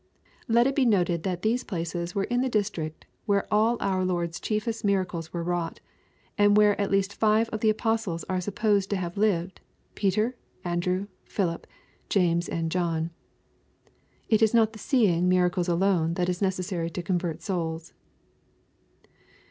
] Let it be noted that these places were in the district where all our Lord's chiefest miracles were wrought; and where at least five of the apostles are supposed to have lived, Peter, Andrew, Philip, James, and John. It is not the seeing miracles alone that is necessary to convert souls.